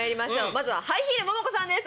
まずはハイヒール・モモコさんです